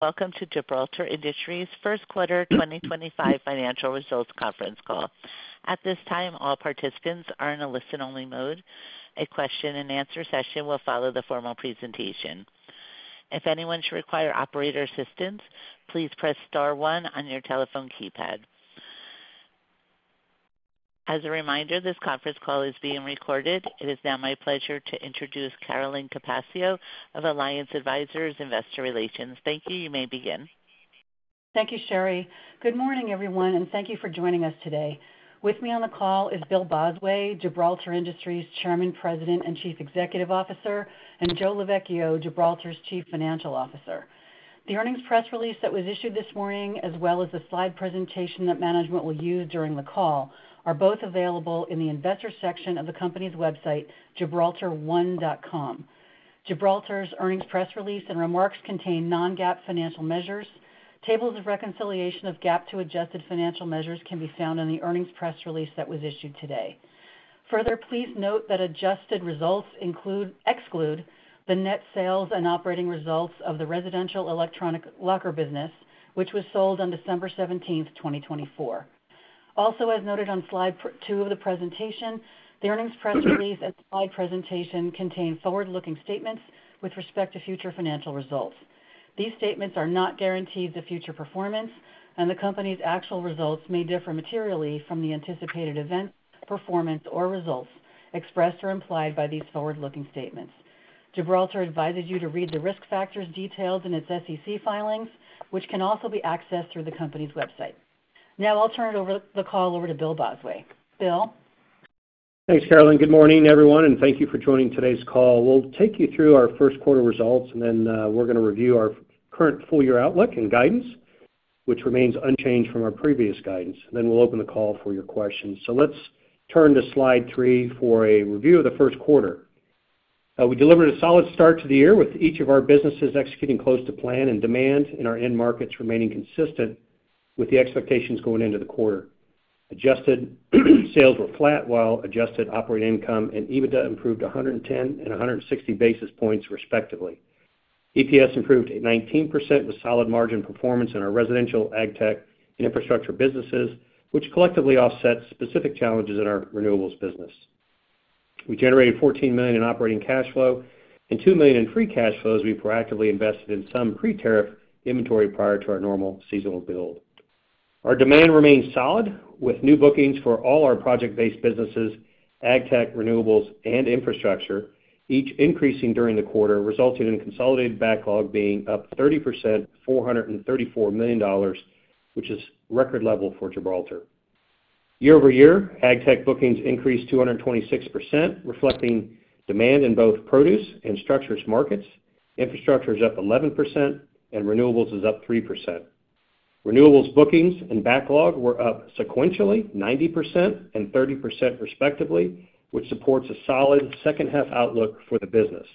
Welcome to Gibraltar Industries Q1 2025 Financial Results Conference Call. At this time, all participants are in a listen only mode. A question and answer session will follow the formal presentation. If anyone should require operator assistance, please press *1 on your telephone keypad. As a reminder, this conference call is being recorded. It is now my pleasure to introduce Carolyn Capaccio of Alliance Advisors, Investor Relations. Thank you. You may begin. Thank you. Sherry, good morning everyone and thank you for joining us today. With me on the call is Bill Bosway, Gibraltar Industries Chairman, President and Chief Executive Officer, and Joe Lovechio, Gibraltar's Chief Financial Officer. The earnings press release that was issued this morning as well as the slide presentation that management will use during the call are both available in the Investors section of the company's website, gibraltar1.com. Gibraltar's earnings press release and remarks contain non-GAAP financial measures. Tables of reconciliation of GAAP to adjusted financial measures can be found in the earnings press release that was issued today. Further, please note that adjusted results exclude the net sales and operating results of the residential electronic locker business which was sold on 12-17-2024. Also, as noted on slide 2 of the presentation, the earnings press release and slide presentation contain forward-looking statements with respect to future financial results. These statements are not guarantees of future performance and the company's actual results may differ materially from the anticipated event, performance or results expressed or implied by these forward-looking statements. Gibraltar advises you to read the risk factors detailed in its SEC filings which can also be accessed through the company's website. Now I'll turn the call over to Bill Bosway. Bill, thanks Carolyn. Good morning everyone and thank you for joining today's call. We'll take you through our Q1 results and then we're going to review our current full year outlook and guidance which remains unchanged from our previous guidance. We will open the call for your questions. Let's turn to Slide 3 for a review of the Q1. We delivered a solid start to the year with each of our businesses executing close to plan and demand in our end markets remaining consistent with the expectations. Going into the quarter, adjusted sales were flat while adjusted operating income and EBITDA improved 110 and 160 basis points respectively. EPS improved at 19% with solid margin performance in our residential, AgTech, and infrastructure businesses which collectively offset specific challenges in our renewables business. We generated $14 million in operating cash flow and $2 million in free cash flows. We proactively invested in some pre-tariff and inventory prior to our normal seasonal build. Our demand remains solid with new bookings for all our project-based businesses, AgTech, renewables, and infrastructure each increasing during the quarter, resulting in consolidated backlog being up 30% to $434 million, which is a record level for Gibraltar. Year over year, AgTech bookings increased 226%, reflecting demand in both produce and structures markets. Infrastructure is up 11% and renewables is up 3%. Renewables bookings and backlog were up sequentially 90% and 30%, respectively, which supports a solid second half outlook for the business.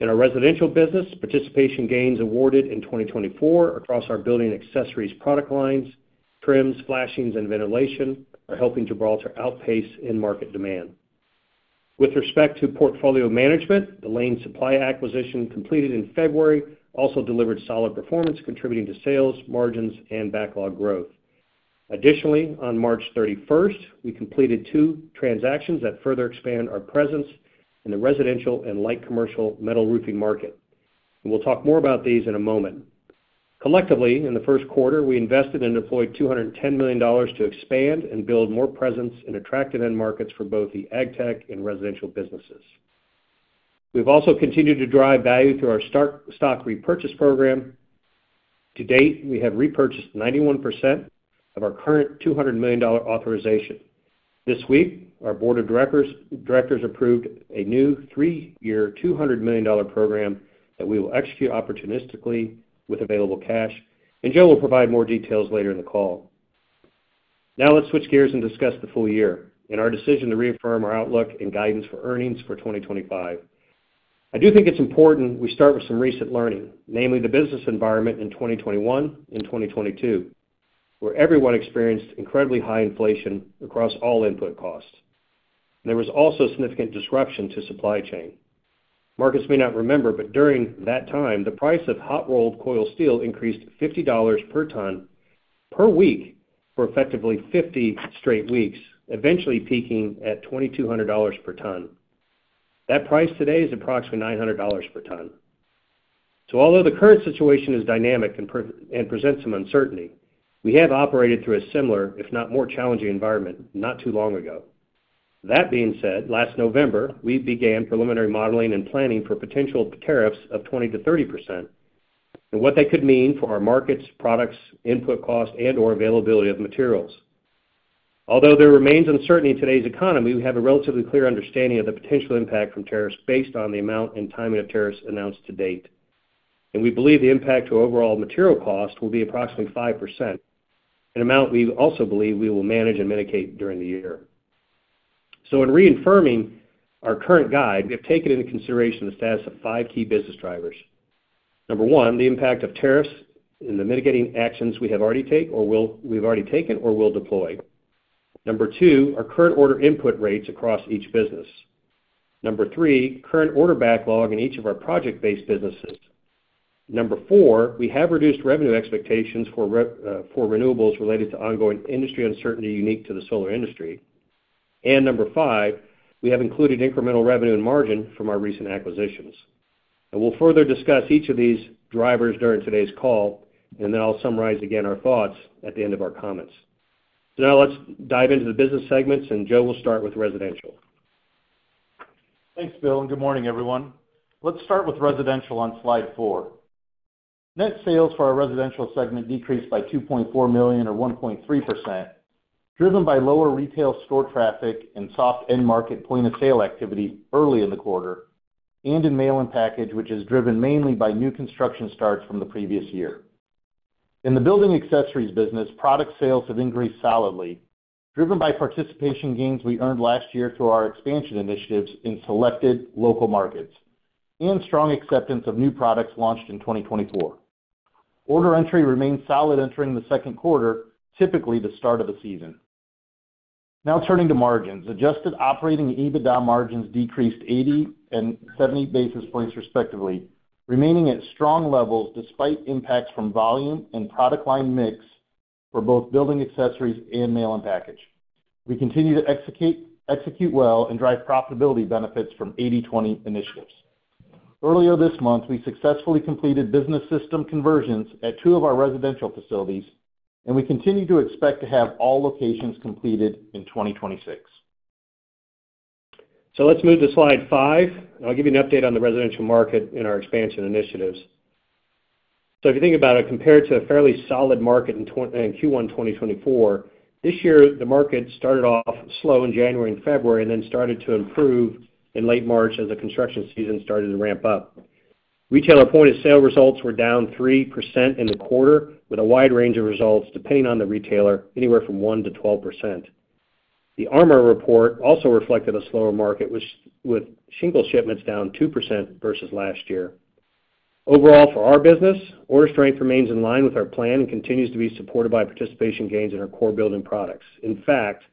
In our residential business, participation gains awarded in 2024 across our Building Accessories product lines, trims, flashings, and ventilation are helping Gibraltar outpace end market demand. With respect to portfolio management, the Lane Supply acquisition completed in February also delivered solid performance, contributing to sales, margins, and backlog growth. Additionally, on March 31 we completed two transactions that further expand our presence in the residential and light commercial metal roofing market and we'll talk more about these in a moment. Collectively, in the Q1 we invested and deployed $210 million to expand and build more presence in attractive end markets for both the AgTech and residential businesses. We've also continued to drive value through our stock repurchase program. To date we have repurchased 91% of our current $200 million authorization. This week, our Board of Directors approved a new three year $200 million program that we will execute opportunistically with available cash and Joe will provide more details later in the call. Now let's switch gears and discuss the full year and our decision to reaffirm our outlook and guidance for earnings for 2025. I do think it's important we start with some recent learning, namely the business environment in 2021 and 2022 where everyone experienced incredibly high inflation across all input costs. There was also significant disruption to supply chain markets. You may not remember, but during that time the price of hot rolled coiled steel increased $50 per ton per week for effectively 50 straight weeks, eventually peaking at $2,200 per ton. That price today is approximately $900 per ton. Although the current situation is dynamic and presents some uncertainty, we have operated through a similar, if not more challenging environment not too long ago. That being said, last November we began preliminary modeling and planning for potential tariffs of 20%-30% and what that could mean for our markets, products, input cost, and or availability of materials. Although there remains uncertainty in today's economy, we have a relatively clear understanding of the potential impact from tariffs. Based on the amount and timing of tariffs announced to date, we believe the impact to overall material cost will be approximately 5%, an amount we also believe we will manage and mitigate during the year. In reaffirming our current guide, we have taken into consideration the status of five key business drivers. Number one, the impact of tariffs and the mitigating actions we have already taken or will deploy. Number two, our current order input rates across each business. Number three, current order backlog in each of our project based businesses. Number four, we have reduced revenue expectations for renewables related to ongoing industry uncertainty unique to the solar industry, and number five, we have included incremental revenue and margin from our recent acquisitions. We will further discuss each of these drivers during today's call, and then I'll summarize again our thoughts at the end of our comments. Now let's dive into the business segments, and Joe will start with residential. Thanks Bill and good morning everyone. Let's start with residential on Slide 4. Net sales for our residential segment decreased by $2.4 million or 1.3%, driven by lower retail store traffic and soft end market point of sale activity early in the quarter and in mail and package, which is driven mainly by new construction starts from the previous year. In the Building Accessories business, product sales have increased, solidly driven by participation gains we earned last year through our expansion initiatives in selected local markets and strong acceptance of new products launched in 2024. Order entry remains solid entering the Q2, typically the start of the season. Now turning to margins, adjusted operating EBITDA margins decreased 80 and 70 basis points, respect remaining at strong levels. Despite impacts from volume and product line mix for both Building Accessories and mail and package, we continue to execute well and drive profitability benefits from 80/20 initiatives. Earlier this month we successfully completed business system conversions at two of our residential facilities and we continue to expect to have all locations completed in 2026. Let's move to slide five. I'll give you an update on the residential market and our expansion initiatives. If you think about it, compared to a fairly solid market in Q1 2024 this year, the market started off slow in January and February and then started to improve in late March as the construction season started to ramp up. Retailer point of sale results were down 3% in the quarter, with a wide range of results depending on the retailer anywhere from 1-12%. The ARMA report also reflected a slower market with shingle shipments down 2% versus last year overall. For our business, order strength remains in line with our plan and continues to be supported by participation gains in our core building products. In fact,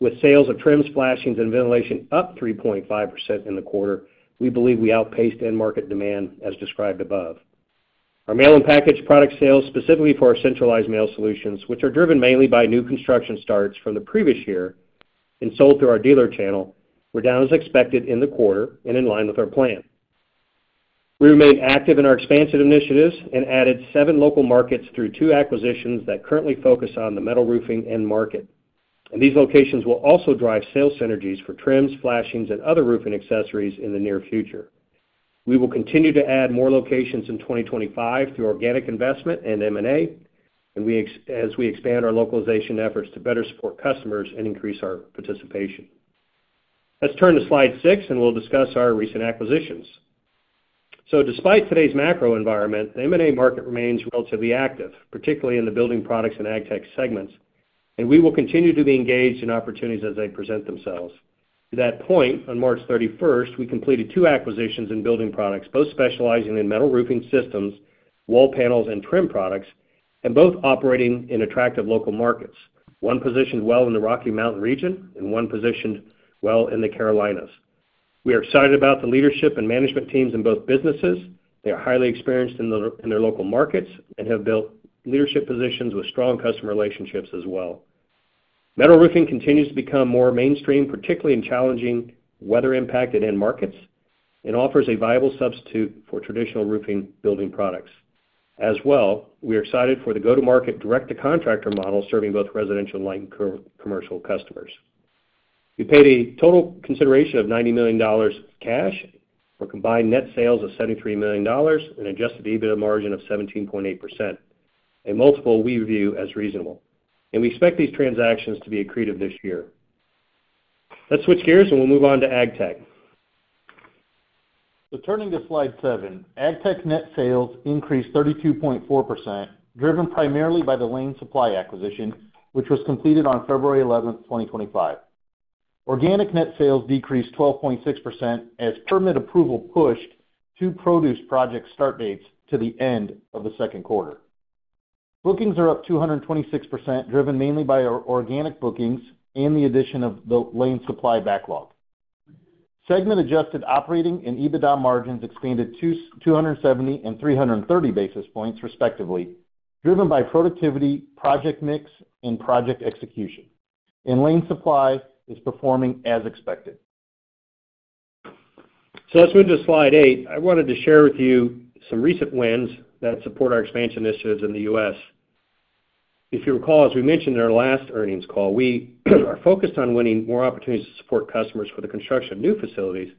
with sales of trim, flashings and ventilation up 3.5% in the quarter, we believe we outpaced end market demand as described above. Our mail and package product sales specifically for our centralized mail solutions, which are driven mainly by new construction starts from the previous year and sold through our dealer channel, were down as expected in the quarter and in line with our plan. We remain active in our expansion initiatives and added seven local markets through two acquisitions that currently focus on the metal roofing end market and these locations will also drive sales synergies for trims, flashings and other roofing accessories in the near future. We will continue to add more locations in 2025 through organic investment and M&A as we expand our localization efforts to better support customers and increase our participation. Let's turn to slide six and we'll discuss our recent acquisitions. Despite today's macro environment, the M&A market remains relatively active, particularly in the building products and AgTech segments, and we will continue to be engaged in opportunities as they present themselves at that point. On March 31 we completed two acquisitions in building products, both specializing in metal roofing systems, wall panels, and trim products, and both operating in attractive local markets. One is positioned well in the Rocky Mountain region and one is positioned well in the Carolinas. We are excited about the leadership and management teams in both businesses. They are highly experienced in their local markets and have built leadership positions with strong customer relationships as well. Metal roofing continues to become more mainstream, particularly in challenging weather-impacted end markets, and offers a viable substitute for traditional roofing building products as well. We are excited for the go to market direct to contractor model serving both residential and light and commercial customers. We paid a total consideration of $90 million cash for combined net sales of $73 million and adjusted EBITDA margin of 17.8%, a multiple we view as reasonable and we expect these transactions to be accretive this year. Let's switch gears and we'll move on to AgTech. Turning to slide 7, AgTech net sales increased 32.4% driven primarily by the Lane Supply acquisition which was completed on February 11, 2025. Organic net sales decreased 12.6% as permit approval pushed two produce project start dates to the end of the Q2. Bookings are up 226% driven mainly by organic bookings and the addition of the Lane Supply backlog segment. Adjusted operating and EBITDA margins expanded 270 and 330 basis points respectively, driven by productivity, project mix and project execution and Lane Supply is performing as expected. Let's move to slide 8. I wanted to share with you some recent wins that support our expansion initiatives in the U.S. If you recall, as we mentioned in our last earnings call, we are focused on winning more opportunities to support customers for the construction of new facilities,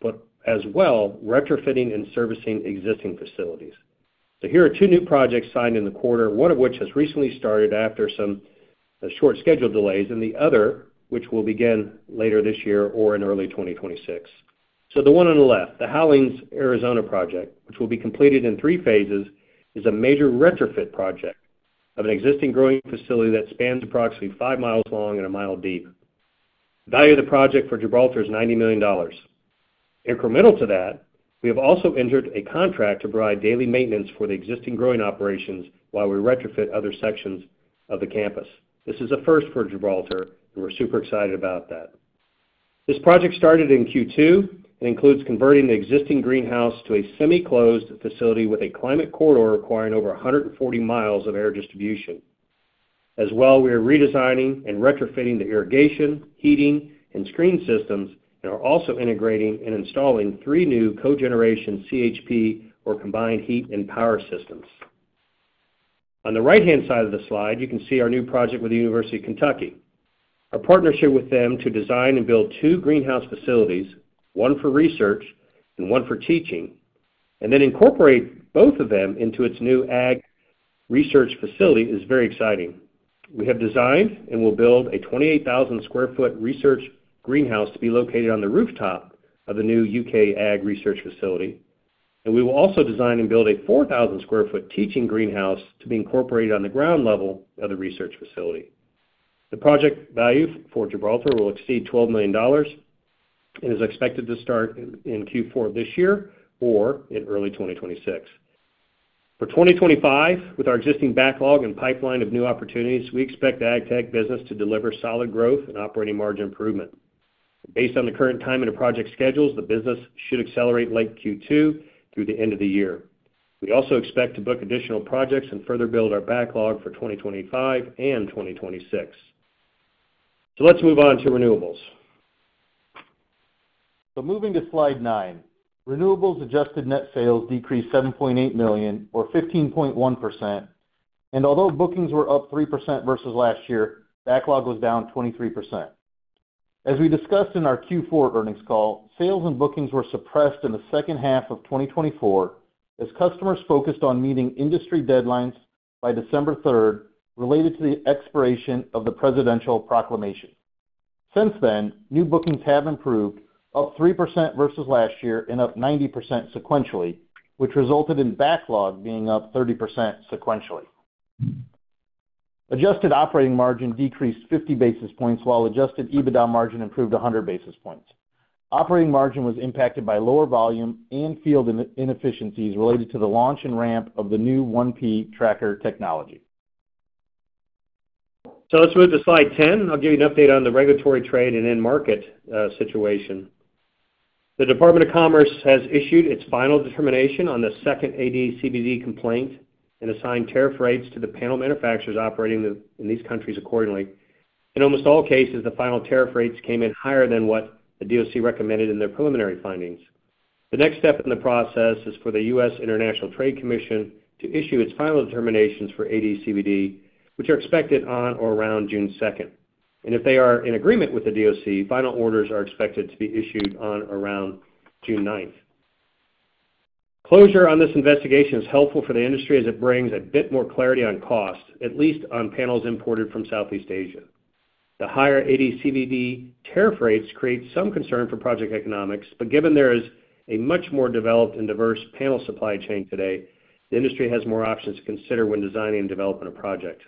but as well retrofitting and servicing existing facilities. Here are two new projects signed in the quarter, one of which has recently started after some short scheduled delays and the other which will begin later this year or in early 2026. The one on the left, the Houweling's Arizona project, which will be completed in three phases, is a major retrofit project of an existing growing facility that spans approximately five miles long and a mile deep. The value of the project for Gibraltar is $90 million incremental. To that, we have also entered a contract to provide daily maintenance for the existing growing operations while we retrofit other sections of the campus. This is a first for Gibraltar and we're super excited about that. This project started in Q2 and includes converting the existing greenhouse to a semi closed facility with a climate corridor requiring over 140 mi of distribution. As well, we are redesigning and retrofitting the irrigation, heating and screen systems and are also integrating and installing three new cogeneration CHP or combined heat and power systems. On the right hand side of the slide you can see our new project with the University of Kentucky. Our partnership with them to design and build two greenhouse facilities, one for research and one for teaching and then incorporate both of them into its new Ag Research facility is very exciting. We have designed and will build a 28,000 sq ft research greenhouse to be located on the rooftop of the new UK Ag Research facility and we will also design and build a 4,000 sq ft teaching greenhouse to be incorporated on the ground level of the research facility. The project value for Gibraltar will exceed $12 million and is expected to start in Q4 this year or in early 2026. For 2025, with our existing backlog and pipeline of new opportunities, we expect the AgTech business to deliver solid growth and operating margin improvement. Based on the current timing of project schedules, the business should accelerate late Q2 through the end of the year. We also expect to book additional projects and further build our backlog for 2025 and 2026. Let's move on to renewables. Moving to Slide 9, renewables adjusted net sales decreased $7.8 million or 15.1%, and although bookings were up 3% versus last year, backlog was down 23% as we discussed in our Q4 earnings call. Sales and bookings were suppressed in the second half of 2024 as customers focused on meeting industry deadlines by December 3rd related to the expiration of the Presidential Proclamation. Since then, new bookings have improved, up 3% versus last year and up 90% sequentially, which resulted in backlog being up 30% sequentially. Adjusted operating margin decreased 50 basis points while adjusted EBITDA margin improved 100 basis points. Operating margin was impacted by lower volume and field inefficiencies related to the launch and ramp of the new 1P Tracker technology. Let's move to Slide 10. I'll give you an update on the regulatory, trade and end market situation. The Department of Commerce has issued its final determination on the second AD/CVD complaint and assigned tariff rates to the panel manufacturers operating in these countries accordingly. In almost all cases, the final tariff rates came in higher than what the DOC recommended in their preliminary findings. The next step in the process is for the U.S. International Trade Commission to issue its final determinations for AD/CVD, which are expected on or around June 2, and if they are in agreement with the DOC, final orders are expected to be issued on around June 9. Closure on this investigation is helpful for the industry as it brings a bit more clarity on cost, at least on panels imported from Southeast Asia. The higher AD/CVD tariff rates create some concern for project economics, but given there is a much more developed and diverse panel supply chain today, the industry has more options to consider when designing and developing a project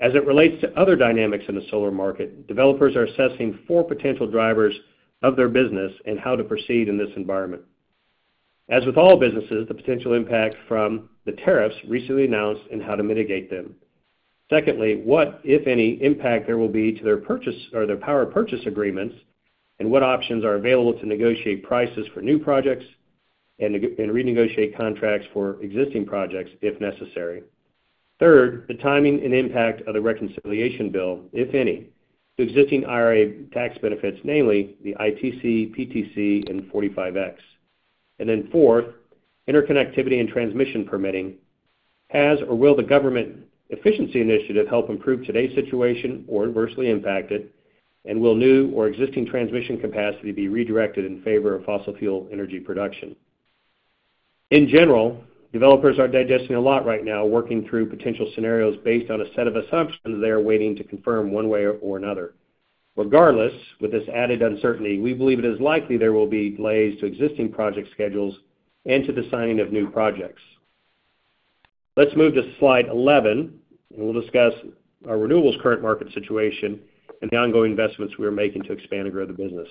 as it relates to other dynamics in the solar market. Developers are assessing four potential drivers of their business and how to proceed in this environment. As with all businesses, the potential impact from the tariffs recently announced and how to mitigate them. Secondly, what, if any, impact there will be to their power purchase agreements and what options are available to negotiate prices for new projects and renegotiate contracts for existing projects if necessary. Third, the timing and impact of the reconciliation bill, if any, to existing IRA tax benefits, namely the ITC, PTC and 45X and then fourth, interconnectivity and transmission permitting. Has or will the Government efficiency initiative help improve today's situation or adversely impact it? Will new or existing transmission capacity be redirected in favor of fossil fuel energy production? In general, developers are digesting a lot right now, working through potential scenarios based on a set of assumptions they are waiting to confirm one way or another. Regardless, with this added uncertainty, we believe it is likely there will be delays to existing project schedules and to the signing of new projects. Let's move to slide 11 and we'll discuss our renewables current market situation and the ongoing investments we are making to expand and grow the business.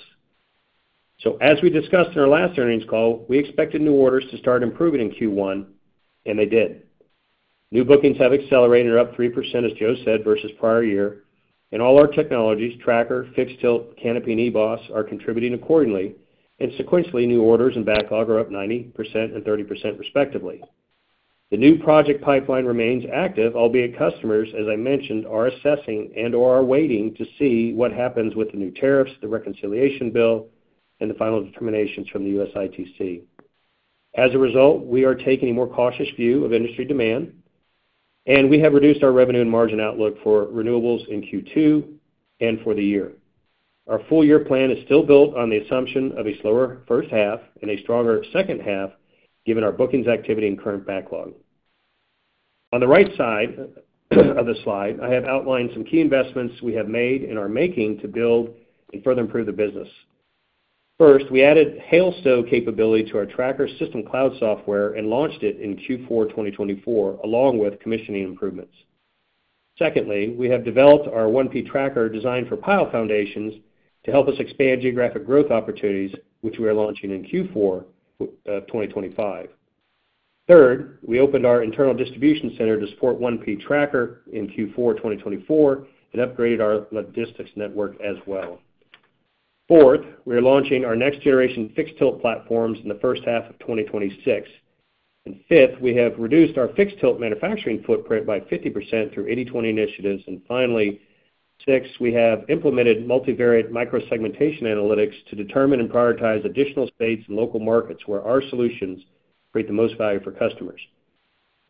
As we discussed in our last earnings call, we expected new orders to start improving in Q1 and they did. New bookings have accelerated, up 3% as Joe said versus prior year and all our technologies tracker, fixed tilt, canopy and EBOSS are contributing accordingly and sequentially. New orders and backlog are up 90% and 30% respectively. The new project pipeline remains active, albeit customers, as I mentioned, are assessing and or are waiting to see what happens with the new tariffs, the reconciliation bill and the final determinations from the U.S.I.T.C. As a result, we are taking a more cautious view of industry demand and we have reduced our revenue and margin outlook for renewables in Q2 and for the year. Our full year plan is still built on the assumption of a slower first half and a stronger second half given our bookings, activity, and current backlog. On the right side of the slide, I have outlined some key investments we have made and are making to build and further improve the business. First, we added hail stow capability to our tracker system cloud software and launched it in Q4 2024 along with commissioning improvements. Secondly, we have developed our 1P Tracker designed for pile foundations to help us expand geographic growth opportunities, which we are launching in Q4 of 2025. Third, we opened our internal distribution center to support 1P Tracker in Q4 2024 and upgraded our logistics network as well. Fourth, we are launching our next generation Fixed Tilt platforms in the first half of 2026. Fifth, we have reduced our fixed tilt manufacturing footprint by 50% through 80/20 initiatives, and finally, sixth, we have implemented multivariate micro segmentation analytics to determine and prioritize additional states and local markets where our solutions create the most value for customers.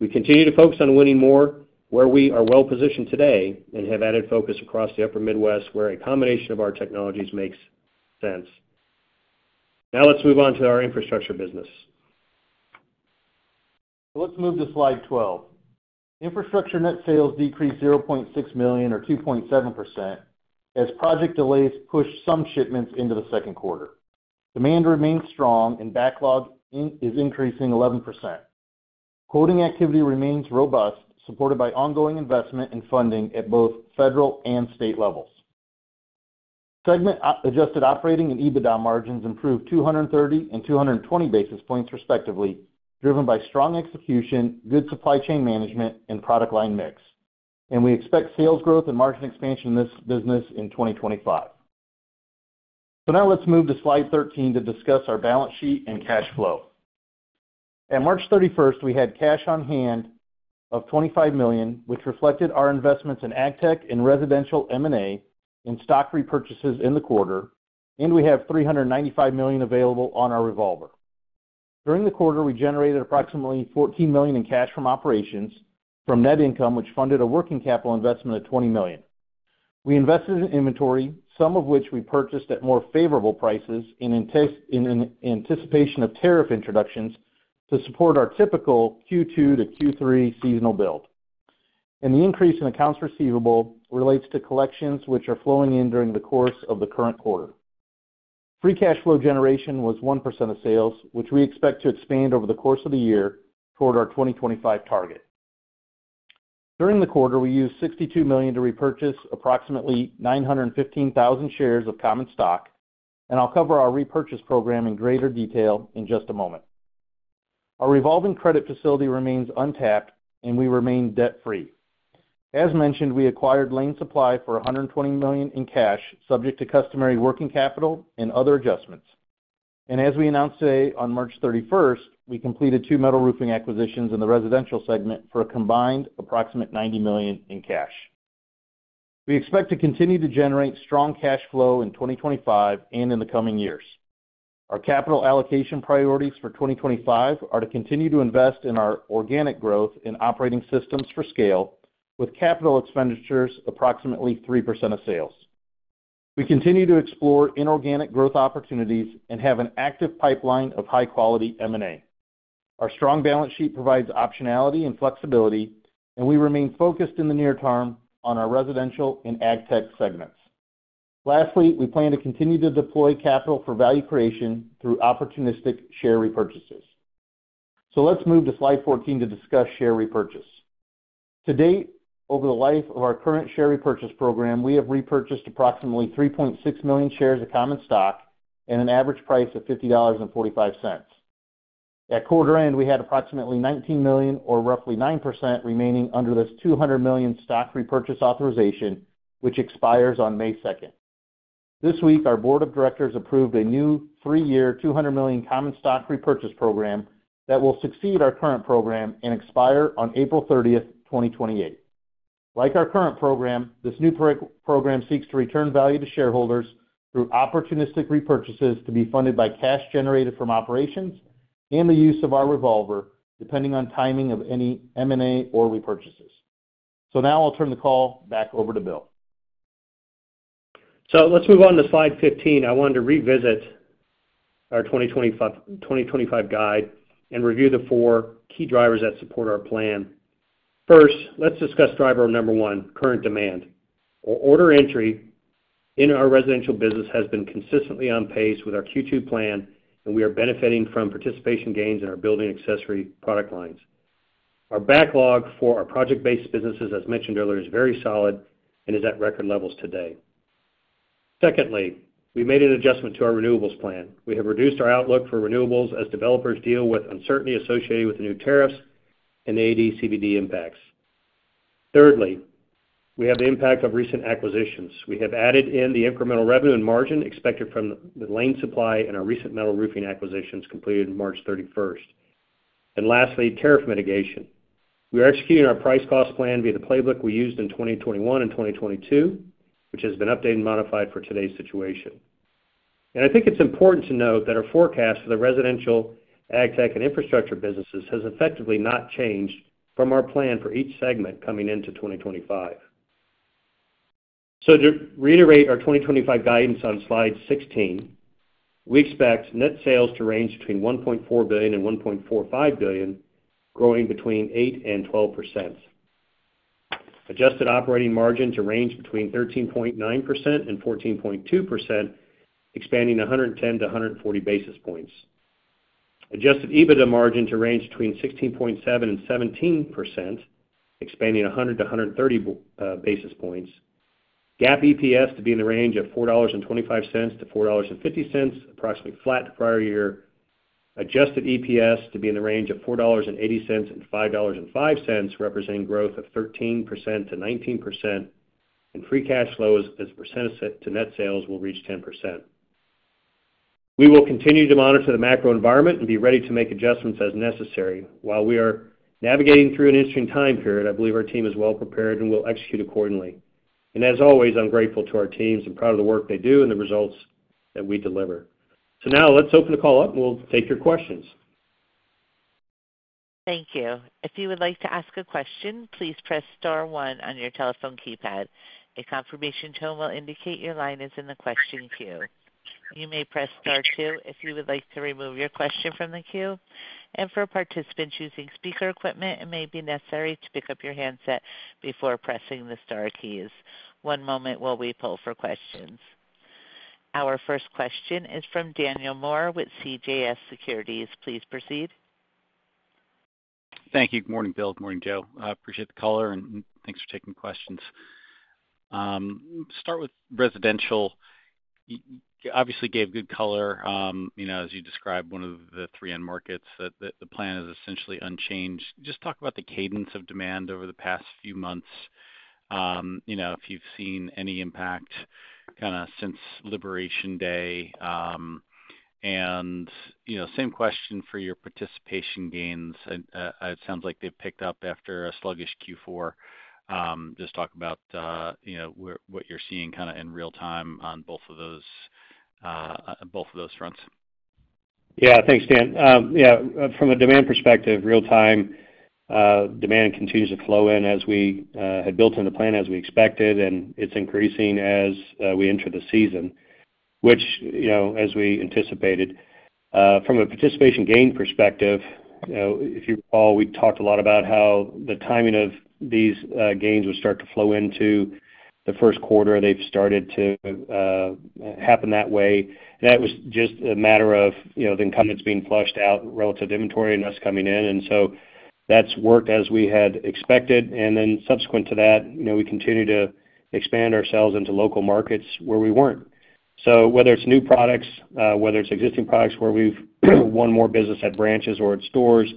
We continue to focus on winning more where we are well positioned today and have added focus across the Upper Midwest where a combination of our technologies makes sense. Now let's move on to our infrastructure business. Let's move to Slide 12. Infrastructure net sales decreased $0.6 million or 2.7% as project delays pushed some shipments into the Q2. Demand remains strong and backlog is increasing 11%. Quoting activity remains robust, supported by ongoing investment in funding at both federal and state levels. Segment adjusted operating and EBITDA margins improved 230 and 220 basis points respectively, driven by strong execution, good supply chain management, and product line mix, and we expect sales growth and margin expansion in this business in 2025. Now let's move to Slide 13 to discuss our balance sheet and cash flow. On March 31, we had cash on hand of $25 million, which reflected our investments in AgTech and residential M&A and stock repurchases in the quarter, and we have $395 million available on our revolver. During the quarter we generated approximately $14 million in cash from operations from net income which funded a working capital investment of $20 million. We invested in inventory, some of which we purchased at more favorable prices in anticipation of tariff introductions to support our typical Q2 to Q3 seasonal build. The increase in accounts receivable relates to collections which are flowing in during the course of the current quarter. Free cash flow generation was 1% of sales, which we expect to expand over the course of the year toward our 2025 target. During the quarter we used $62 million to repurchase approximately 915,000 shares of common stock and I'll cover our repurchase program in greater detail in just a moment. Our revolving credit facility remains untapped and we remain debt free. As mentioned, we acquired Lane Supply for $120 million in cash subject to customary working capital, debt, and other adjustments. As we announced today on March 31, we completed two metal roofing acquisitions in the residential segment for a combined approximate $90 million in cash. We expect to continue to generate strong cash flow in 2025 and in the coming years. Our capital allocation priorities for 2025 are to continue to invest in our organic growth in operating systems for scale, with capital expenditures approximately 3% of sales. We continue to explore inorganic growth opportunities and have an active pipeline of high quality M&A. Our strong balance sheet provides optionality and flexibility, and we remain focused in the near term on our residential and AgTech segments. Lastly, we plan to continue to deploy capital for value creation through opportunistic share repurchases. Let's move to Slide 14 to discuss share repurchase to date. Over the life of our current share repurchase program, we have repurchased approximately 3.6 million shares of common stock at an average price of $50.45. At quarter end, we had approximately 1.9 million or roughly 9% remaining under this $200 million stock repurchase authorization, which expires on May 2. This week our board of directors approved a new three-year $200 million common stock repurchase program that will succeed our current program and expire on April 30, 2028. Like our current program, this new program seeks to return value to shareholders through opportunistic repurchases to be funded by cash generated from operations and the use of our revolver, depending on timing of any M&A or repurchases. Now I'll turn the call back. Over to Bill. So let's move on to Slide 15. I wanted to revisit our 2025 guide and review the four key drivers that support our plan. First, let's discuss driver number one. Current demand order entry in our residential business has been consistently on pace with our Q2 plan and we are benefiting from participation gains in our building accessory product lines. Our backlog for our project based businesses, as mentioned earlier, is very solid and is at record levels today. Secondly, we made an adjustment to our renewables plan. We have reduced our outlook for renewables as developers deal with uncertainty associated with the new tariffs and AD/CVD impacts. Thirdly, we have the impact of recent acquisitions. We have added in the incremental revenue and margin expected from the Lane Supply and our recent metal roofing acquisitions completed March 31. And lastly, tariff mitigation. We are executing our price cost plan via the playbook we used in 2021 and 2022, which has been updated and modified for today's situation. I think it's important to note that our forecast for the residential, AgTech and infrastructure businesses has effectively not changed from our plan for each segment coming into 2025. To reiterate our 2025 guidance on Slide 16, we expect net sales to range between $1.4 billion and $1.45 billion, growing between 8% and 12%. Adjusted operating margin to range between 13.9% and 14.2%, expanding 110 to 140 basis points. Adjusted EBITDA margin to range between 16.7% and 17%, expanding 100 to 130 basis points. GAAP EPS to be in the range of $4.25 to $4.50, approximately flat to prior year. Adjusted EPS to be in the range of $4.80-$5.05 representing growth of 13% and free cash flow as a percentage to net sales will reach 10%. We will continue to monitor the macro environment and be ready to make adjustments as necessary. While we are navigating through an interesting time period, I believe our team is well prepared and will execute accordingly. I am grateful to our teams and proud of the work they do and the results that we deliver. Now let's open the call up and we'll take your questions. Thank you. If you would like to ask a question, please press Star one on your telephone keypad. A confirmation tone will indicate your line is in the question queue. You may press Star two if you would like to remove your question from the queue. For participants using speaker equipment, it may be necessary to pick up your handset before pressing the star keys. One moment while we poll for questions. Our first question is from Daniel Moore with CJS Securities. Please proceed. Thank you. Good morning, Bill. Good morning, Joe. Appreciate the caller and thanks for taking questions. Start with residential. Obviously gave good color as you described one of the three end markets that the plan is essentially unchanged. Just talk about the cadence of demand over the past few months if you've seen any impact since Liberation Day. Same question for your participation gains. It sounds like they picked up after a sluggish Q4. Just talk about what you're seeing kind of in real time on both of those fronts. Yeah. Thanks, Dan. Yeah. From a demand perspective, real time demand continues to flow in as we had built in the plan as we expected, and it's increasing as we enter the season, which, you know, as we anticipated. From a participation gain perspective, if you recall, we talked a lot about how the timing of these gains would start to flow into the Q1. They've started to happen that way. That was just a matter of the incumbents being flushed out relative to inventory and us coming in. That has worked as we had expected. Subsequent to that, we continue to expand ourselves into local markets where we weren't. Whether it's new products, whether it's existing products, where we've won more business at branches or at stores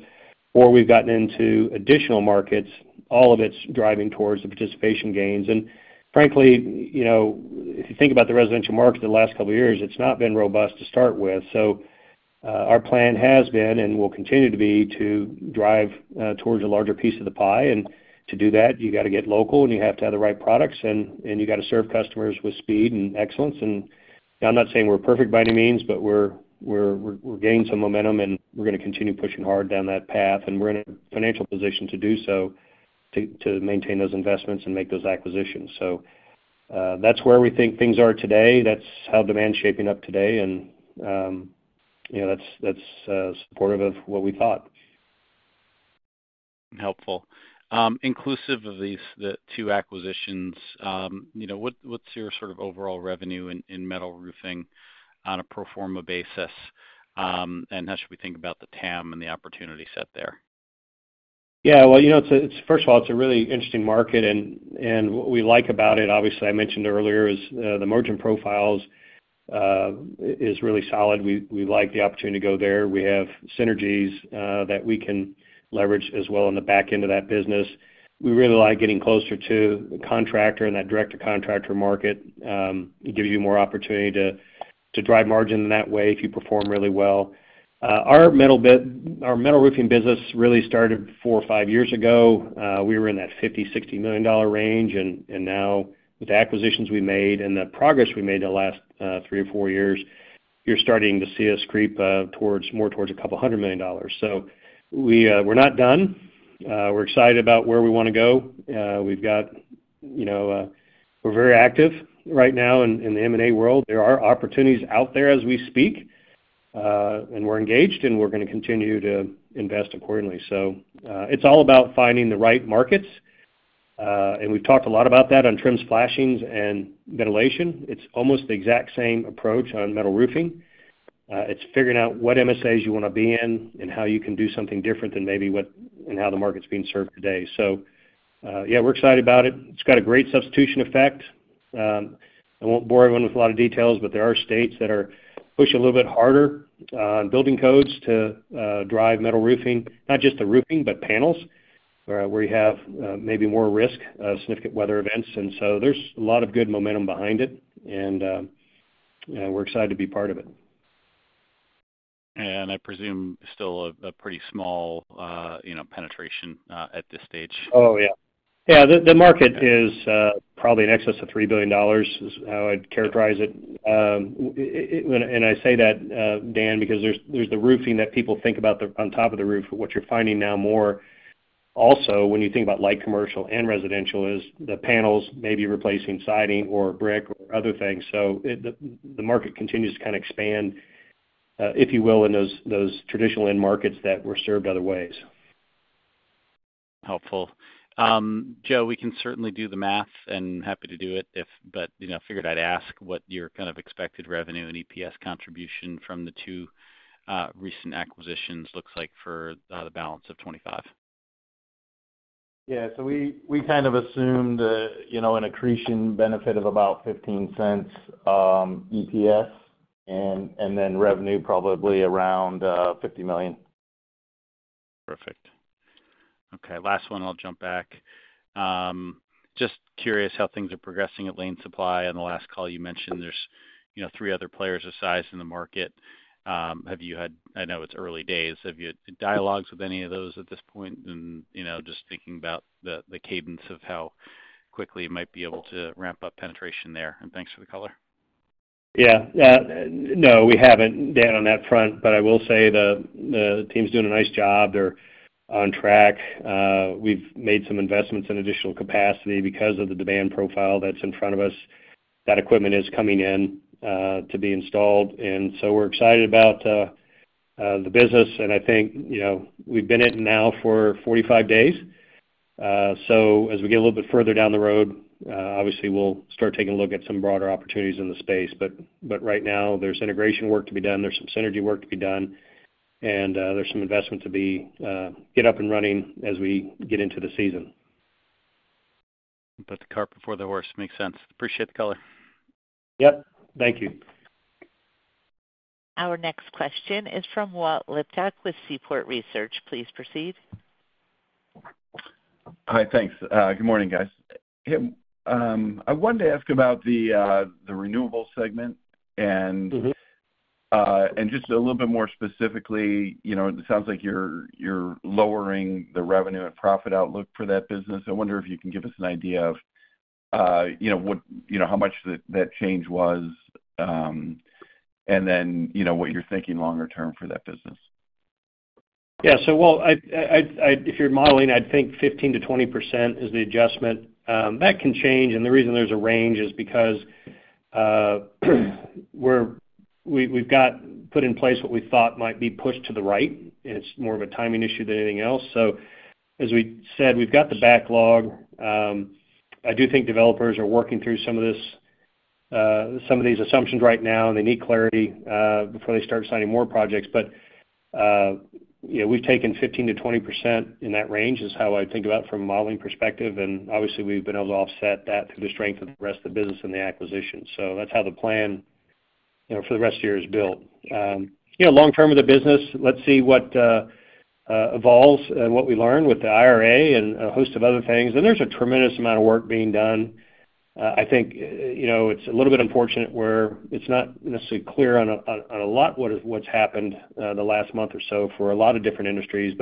or we've gotten into additional markets, all of it's driving towards the participation gains. Frankly, you know, if you think about the residential market, the last couple years, it's not been robust to start with. Our plan has been and will continue to be to drive towards a larger piece of the pie. To do that, you got to get local and you have to have the right products and you got to serve customers with speed and excellence. I'm not saying we're perfect by any means, but we're gaining some momentum and we're going to continue pushing hard down that path. We're in a financial position to do so, to maintain those investments and make those acquisitions. That's where we think things are today. That's how demand's shaping up today, and that's supportive of what we thought. Helpful. Inclusive of these two acquisitions, what's your sort of overall revenue in metal roofing on a pro forma basis? And how should we think about the TAM and the opportunity set there? Yeah, you know, first of all, it's a really interesting market and what we like about it, obviously I mentioned earlier, is the margin profile is really solid. We like the opportunity to go there. We have synergies that we can leverage as well on the back end of that business. We really like getting closer to the contractor and that direct to contractor market, it gives you more opportunity to drive margin in that way if you perform really well. Our metal roofing business really started four or five years ago. We were in that $50 million-$60 million range. And now with acquisitions we made and the progress we made in the last three or four years, you're starting to see us creep more towards a couple hundred million dollars. We are not done. We are excited about where we want to go. We've got, you know, we're very active right now in the M&A world. There are opportunities out there as we speak and we're engaged and we're going to continue to invest accordingly. It's all about finding the right markets and we've talked a lot about that on trim, flashings and ventilation. It's almost the exact same approach on metal roofing. It's figuring out what MSAs you want to be in and how you can do something different than maybe what and how the market's being served today. Yeah, we're excited about it. It's got a great substitution effect. I won't bore everyone with a lot of details, but there are states that are pushing a little bit harder building codes to drive metal roofing. Not just the roofing, but panels where you have maybe more risk of significant weather events. There is a lot of good momentum behind it and we're excited to be part of it. I presume still a pretty small penetration at this stage. Oh yeah. The market is probably in excess of $3 billion is how I'd characterize it. I say that, Dan, because there's the roofing that people think about on top of the roof. What you're finding now more also when you think about light, commercial and residential is the panels may be replacing siding or brick or other things. The market continues to kind of expand, if you will, in those traditional end markets that were served other ways. Helpful, Joe. We can certainly do the math and happy to do it. I figured I'd ask what your expected revenue and EPS contribution from the two recent acquisitions looks like for the balance of 2025. Yeah. We kind of assumed an accretion benefit of about $0.15 EPS and then revenue probably around $50 million. Perfect. Okay, last one. I'll jump back. Just curious how things are progressing at Lane Supply. On the last call you mentioned there's three other players of size in the market. Have you had, I know it's early days, have you had dialogues with any of those at this point? Just thinking about the cadence of how quickly might be able to ramp up penetration there. Thanks for the color. Yeah, no, we haven't, Dan, on that front, but I will say the team's doing a nice job. They're on track. We've made some investments in additional capacity because of the demand profile that's in front of us. That equipment is coming in to be installed. We're excited about the business. I think we've been in now for 45 days. As we get a little bit further down the road, obviously we'll start taking a look at some broader opportunities in the space. Right now there's integration work to be done, there's some synergy work to be done, and there's some investment to get up and running as we get into the season. Put the cart before the horse makes sense. Appreciate the color. Yep. Thank you. Our next question is from Walt Liptak with Seaport Research. Please proceed. Hi. Thanks. Good morning, guys. I wanted to ask about the renewable segment. Just a little bit more specifically, it sounds like you're lowering the revenue and profit outlook for that business. I wonder if you can give us. An idea of. How much that change was and then what you're thinking longer term for that business. Yeah. If you're modeling, I'd think 15%-20% is the adjustment that can change. The reason there's a range is. Because. We've got put in place what we thought might be pushed to the right. It's more of a timing issue than anything else. As we said, we've got the backlog. I do think developers are working through some of these assumptions right now. They need clarity before they start signing more projects. You know, we've taken 15%-20% in that range is how I think about it from a modeling perspective. Obviously we've been able to offset that through the strength of the rest of the business and the acquisition. That's how the plan for the rest of the year is built. You know, long term of the business, let's see what evolves. What we learned with the IRA and a host of other things. There's a tremendous amount of work being done. I think, you know, it's a little bit unfortunate where it's not necessarily clear on a lot what's happened the last month or so for a lot of different industries.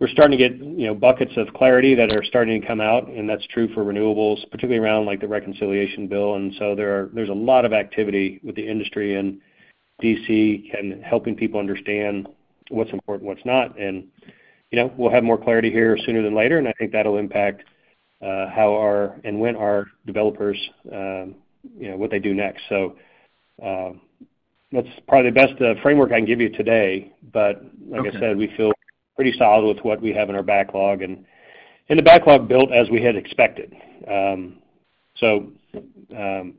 We are starting to get buckets of clarity that are starting to come out. That is true for renewables, particularly around the reconciliation bill. There is a lot of activity with the industry and DC and helping people understand what's important, what's not. We will have more clarity here sooner than later. I think that will impact how our and when our developers, what they do next. That is probably the best framework I can give you today. Like I said, we feel pretty solid with what we have in our backlog. The backlog built as we had expected. The plan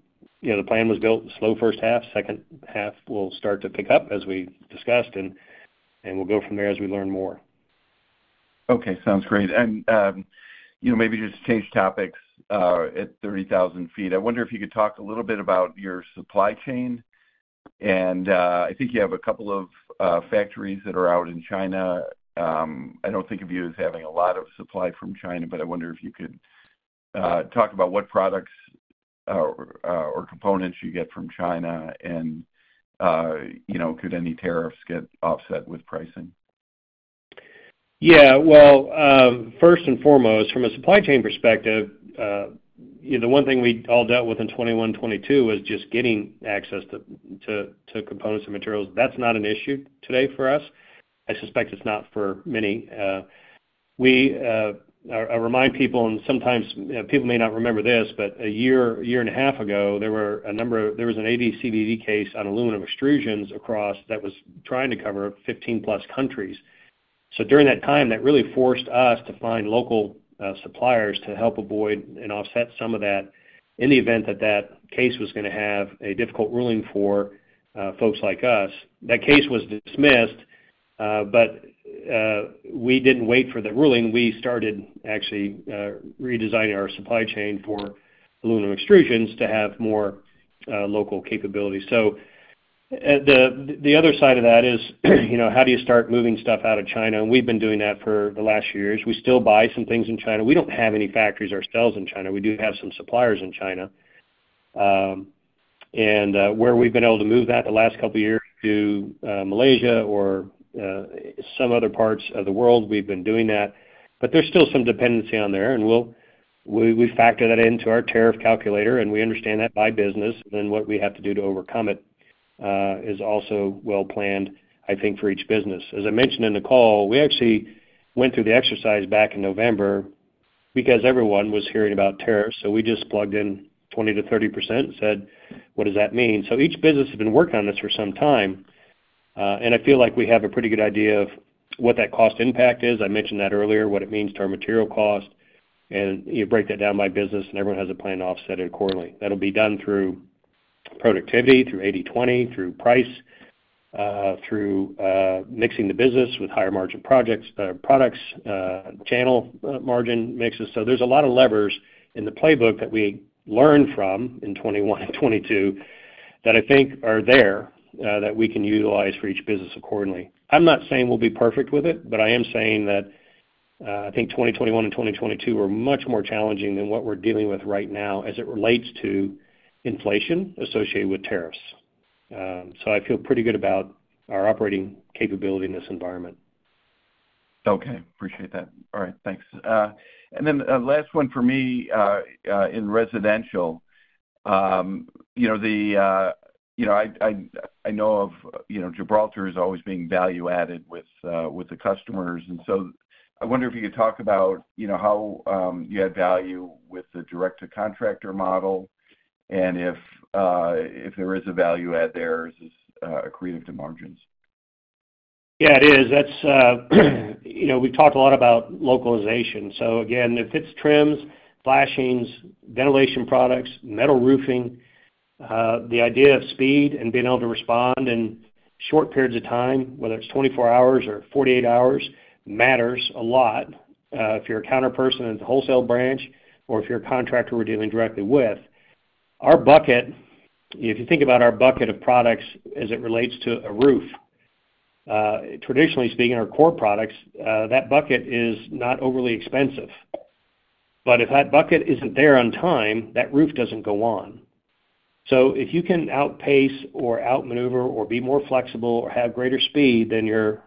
was built slow first half, second half will start to pick up as we discussed and we'll go from there as we learn more. Okay, sounds great. Maybe just change topics at 30,000 ft. I wonder if you could talk a little bit about your supply chain. I think you have a couple of factories that are out in China. I do not think of you as having a lot of supply from China, but I wonder if you could talk about what products or components you get from China and could any tariffs get offset with pricing? Yeah, first and foremost, from a supply chain perspective, the one thing we all dealt with in 2021-2022 was just getting access to components and materials. That's not an issue today for us. I suspect it's not for many. We remind people. Sometimes people may not remember this, but a year, year and a half ago, there were a number. There was an AD/CVD case on aluminum extrusions across that was trying to cover 15-plus countries. During that time, that really forced us to find local suppliers to help avoid and offset some of that. In the event that that case was going to have a difficult ruling for folks like us, that case was dismissed. We didn't wait for the ruling. We started actually redesigning our supply chain for aluminum extrusions to have more local capability. The other side of that is, you know, how do you start moving stuff out of China? We've been doing that for the last few years. We still buy some things in China. We don't have any factories ourselves in China. We do have some suppliers in China, and where we've been able to move that the last couple years to Malaysia or some other parts of the world, we've been doing that, but there's still some dependency on there. We factor that into our tariff calculator and we understand that by business, then what we have to do to overcome it is also well planned, I think, for each business. As I mentioned in the call, we actually went through the exercise back in November because everyone was hearing about tariffs. We just plugged in 20%-30% and said, what does that mean? Each business has been working on this for some time and I feel like we have a pretty good idea of what that cost impact is. I mentioned that earlier, what it means to our material cost. You break that down by business and everyone has a plan to offset it accordingly. That will be done through productivity, through 80/20, through price, through mixing the business with higher margin products, channel margin mixes. There are a lot of levers in the playbook that we learned from in 2021 and 2022 that I think are there that we can utilize for each business accordingly. I'm not saying we'll be perfect with it, but I am saying that I think 2021 and 2022 are much more challenging than what we're dealing with right now as it relates to inflation associated with tariffs. I feel pretty good about our operating capability in this environment. Okay, appreciate that. All right, thanks. Last one for me, in residential, you know, I know of, you know, Gibraltar as always being value added with the customers. I wonder if you could talk about how you add value with the direct to contractor model. If there is a value add there, is this accretive to margins? Yeah, it is. We talk a lot about localization. If it's trims, flashings, ventilation products, metal roofing, the idea of speed and being able to respond in short periods of time, whether it's 24 hours or 48 hours, matters a lot. If you're a counter person in the wholesale branch or if you're a contractor, we're dealing directly with our bucket. If you think about our bucket of products as it relates to a roof, traditionally speaking, our core products, that bucket is not overly expensive. If that bucket isn't there on time, that roof doesn't go on. If you can outpace or outmaneuver or be more flexible or have greater speed than your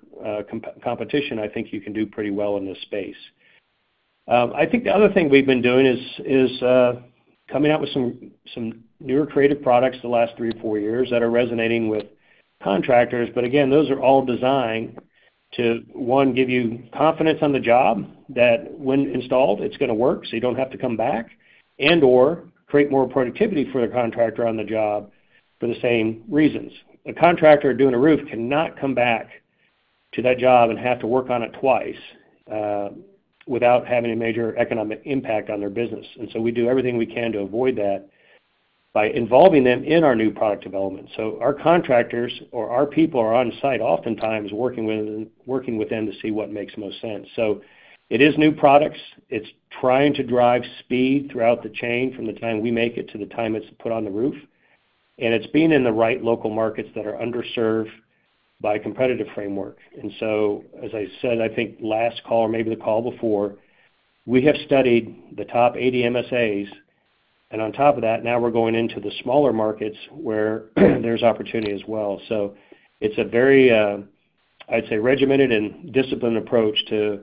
competition, I think you can do pretty well in this space. I think the other thing we've been doing is coming out with some newer creative products the last three or four years that are resonating with contractors. Those are all designed to, one, give you confidence on the job that when installed it's going to work so you don't have to come back and or create more productivity for the contractor on the job. For the same reasons, a contractor doing a roof cannot come back to that job and have to work on it twice without having a major economic impact on their business. We do everything we can to avoid that by involving them in our new product development. Our contractors or our people are on site oftentimes working with them to see what makes the most sense. It is new products. It's trying to drive speed throughout the chain from the time we make it to the time it's put on the roof. It's being in the right local markets that are underserved by competitive framework. As I said, I think last call or maybe the call before, we have studied the top 80 MSAs and on top of that, now we're going into the smaller markets where there's opportunity as well. It's a very, I'd say, regimented and disciplined approach to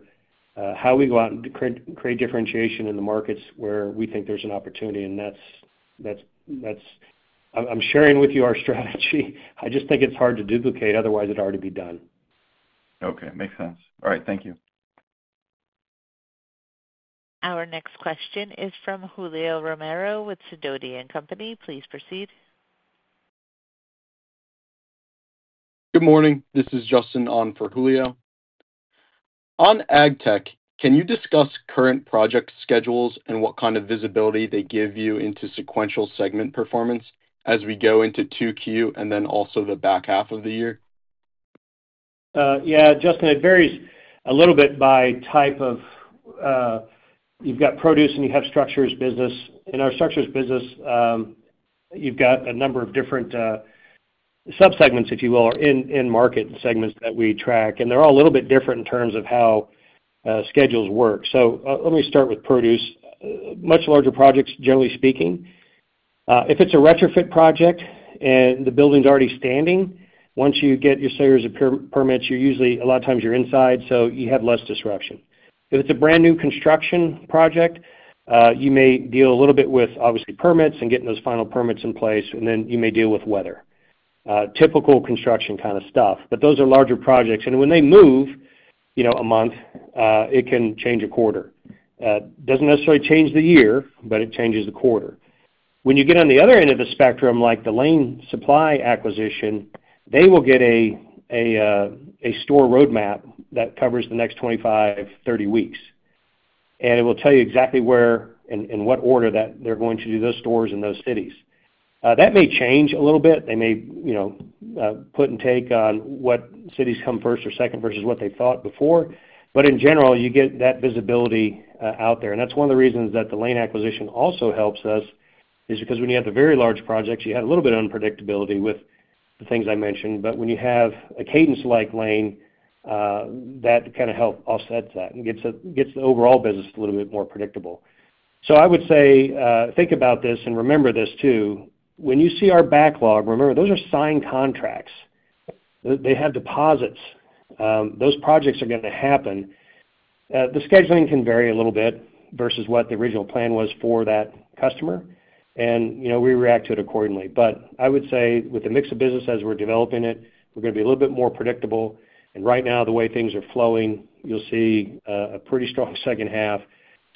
how we go out and create differentiation in the markets where we think there's an opportunity. I'm sharing with you our strategy. I just think it's hard to duplicate, otherwise it'd already be done. Okay, makes sense. All right, thank you. Our next question is from Julio Romero with Sidoti & Company. Please proceed. Good morning, this is Justin on for Julio on AgTech. Can you discuss current project schedules and what kind of visibility they give you? Into sequential segment performance as we go. Into 2Q and then also the back half of the year. Yeah, Justin, it varies a little bit by type of. You've got produce and you have structures business. In our structures business, you've got a number of different sub segments, if you will, in market segments that we track. They're all a little bit different in terms of how schedules work. Let me start with produce. Much larger projects. Generally speaking, if it's a retrofit project and the building is already standing, once you get your series of permits, usually a lot of times you're inside so you have less disruption. If it's a brand new construction project, you may deal a little bit with obviously permits and getting those final permits in place. You may deal with weather, typical construction kind of stuff. Those are larger projects and when they move a month, it can change a quarter. It does not necessarily change the year, but it changes the quarter. When you get on the other end of the spectrum, like the Lane Supply acquisition, they will get a store roadmap that covers the next 25-30 weeks and it will tell you exactly where, in what order that they are going to do those stores in those cities. That may change a little bit. They may put and take on what cities come first or second versus what they thought before. In general, you get that visibility out there. That is one of the reasons that the Lane acquisition also helps us, because when you have the very large projects, you have a little bit of unpredictability with the things I mentioned. When you have a cadence like Lane, that kind of helps offsets that and gets the overall business a little bit more predictable. I would say think about this and remember this too. When you see our backlog, remember those are signed contracts, they have deposits. Those projects are going to happen. The scheduling can vary a little bit versus what the original plan was for that customer. You know, we react to it accordingly. I would say with the mix of business as we're developing it, we're going to be a little bit more predictable. Right now, the way things are flowing, you'll see a pretty strong second half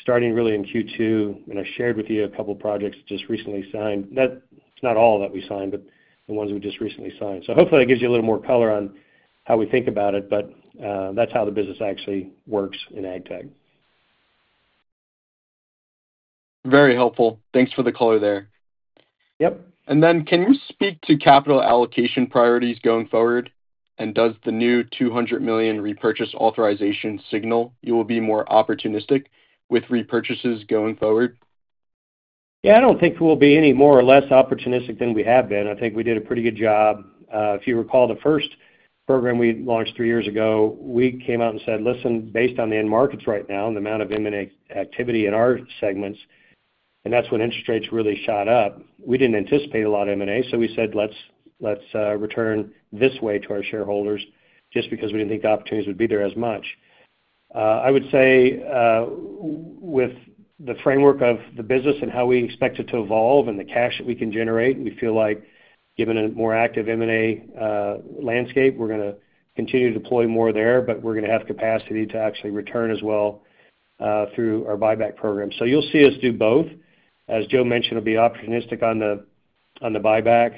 starting really in Q2. I shared with you a couple projects just recently signed. It's not all that we signed, but the ones we just recently signed. Hopefully that gives you a little more color on how we think about it. That's how the business actually works in AgTech. Very helpful. Thanks for the color there. Yep. Can you speak to capital allocation priorities going forward, and does the new $200 million repurchase authorization signal you will be more opportunistic with repurchases going forward? Yeah, I don't think we'll be any more or less opportunistic than we have been. I think we did a pretty good job. If you recall the first program we launched three years ago, we came out and said, listen, based on the end markets right now and the amount of M&A activity in our segments, and that's when interest rates really shot up. We didn't anticipate a lot of M&A. We said let's return this way to our shareholders just because we didn't think the opportunities would be there as much. I would say with the framework of the business and how we expect it to evolve and the cash that we can generate, we feel like given a more active M&A landscape, we're going to continue to deploy more there, but we're going to have capacity to actually return as well through our buyback program. You'll see us do both. As Joe mentioned, it will be opportunistic on the buyback,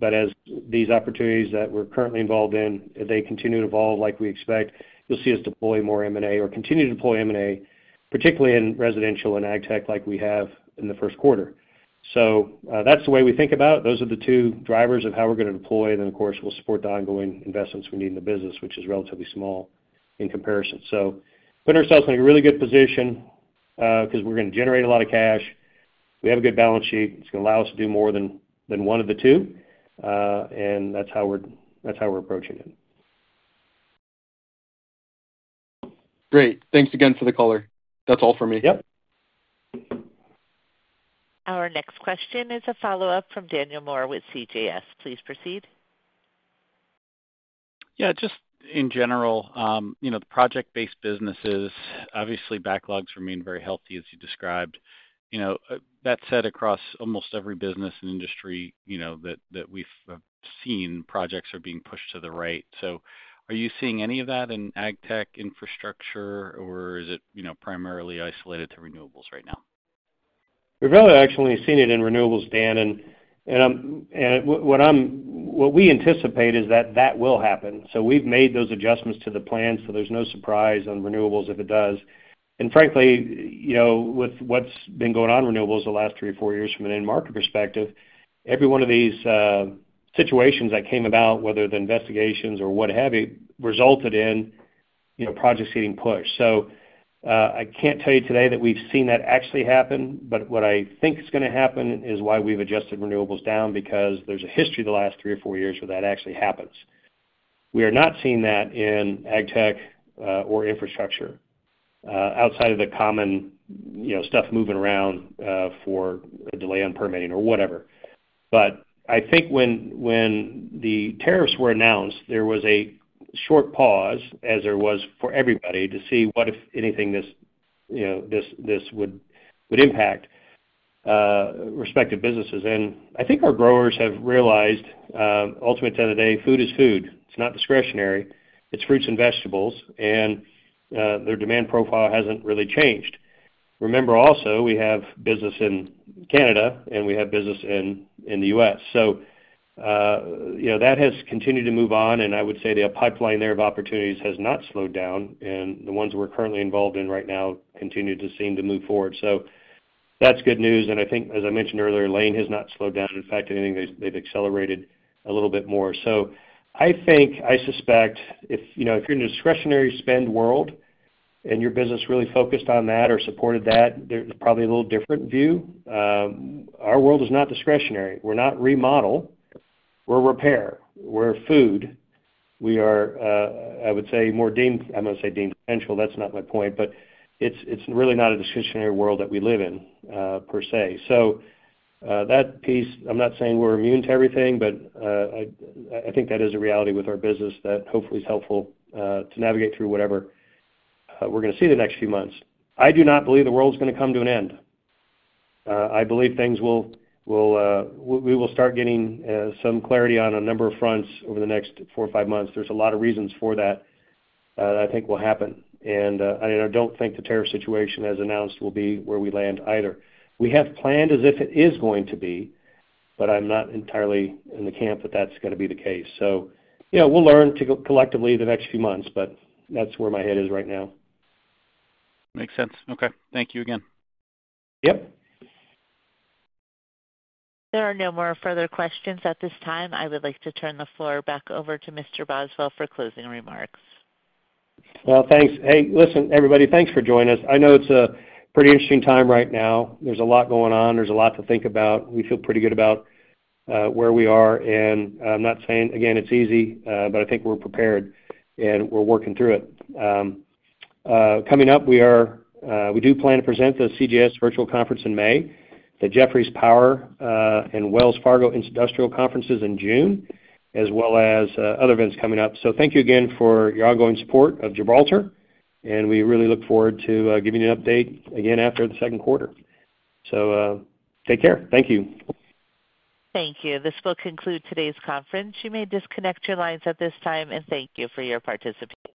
but as these opportunities that we're currently involved in, they continue to evolve like we expect. You'll see us deploy more M&A or continue to deploy M&A, particularly in residential and AgTech like we have in the Q1. That's the way we think about those are the two drivers of how we're going to deploy. Of course we'll support the ongoing investments we need in the business, which is relatively small in comparison. Put ourselves in a really good position because we're going to generate a lot of cash, we have a good balance sheet, it's going to allow us to do more than one of the two and that's how we're approaching it. Great. Thanks again for the color. That's all for me. Our next question is a follow up from Daniel Moore with CJS. Please proceed. Yeah, just in general, the project based businesses obviously backlogs remain very healthy as you described. That said, across almost every business and industry that we've seen, projects are being pushed to the right. Are you seeing any of that in AgTech infrastructure or is it primarily isolated to renewables? Right now we've really actually seen it in renewables, Dan, and what we anticipate is that that will happen. We've made those adjustments to the plan. There's no surprise on renewables if it does. Frankly, you know, with what's been going on in renewables the last three or four years, from an end market perspective, every one of these situations that came about, whether the investigations or what have you, resulted in projects getting pushed. I can't tell you today that we've seen that actually happen. What I think is going to happen is why we've adjusted renewables down. There's a history, the last three or four years where that actually happens. We are not seeing that in AgTech or infrastructure outside of the common stuff, moving around for a delay on permitting or whatever. I think when the tariffs were announced there was a short pause as there was for everybody to see what, if anything, this would impact respective businesses. I think our growers have realized ultimate day food is food. It's not discretionary, it's fruits and vegetables. Their demand profile hasn't really changed. Remember also we have business in Canada and we have business in the US. That has continued to move on. I would say the pipeline there of opportunities has not slowed down and the ones we're currently involved in right now continue to seem to move forward. That's good news. I think, as I mentioned earlier, Lane has not slowed down. In fact, if anything, they've accelerated a little bit more. I think, I suspect if you're in a discretionary spend world and your business really focused on that or supported that, there's probably a little different view. Our world is not discretionary. We're not remodel, we're repair, we're food. We are, I would say, more deemed. I'm going to say deemed essential. That's not my point. It's really not a discretionary world that we live in per se. That piece, I'm not saying we're immune to everything, but I think that is a reality with our business that hopefully is helpful to navigate through whatever we're going to see the next few months. I do not believe the world's going to come to an end. I believe things will. We will start getting some clarity on a number of fronts over the next four or five months. are a lot of reasons for that that I think will happen. I do not think the tariff situation as announced will be where we land either. We have planned as if it is going to be, but I am not entirely in the camp that that is going to be the case. You know, we will learn collectively the next few months. That is where my head is right now. Makes sense. Okay, thank you again. There are no more further questions at this time. I would like to turn the floor back over to Mr. Bosway for closing remarks. Thanks. Hey, listen, everybody, thanks for joining us. I know it's a pretty interesting time right now. There's a lot going on. There's a lot to think about. We feel pretty good about where we are. I'm not saying again it's easy, but I think we're prepared and we're working through it. Coming up, we are. We do plan to present the CJS Virtual Conference in May, the Jefferies Power and Wells Fargo Industrials Conferences in June, as well as other events coming up. Thank you again for your ongoing support of Gibraltar, and we really look forward to giving you an update again after the Q2. Take care. Thank you. Thank you. This will conclude today's conference. You may disconnect your lines at this time, and thank you for your participation.